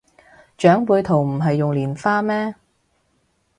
長輩圖唔係用蓮花咩